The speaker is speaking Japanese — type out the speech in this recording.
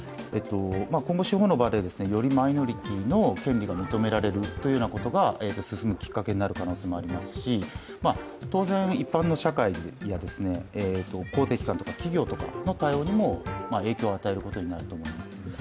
今後、司法の場でマイノリティーの権利が認められる進むきっかけになる可能性にもなりますし、当然、一般の社会や公的機関とか企業の対応にも影響を与えることになると思います。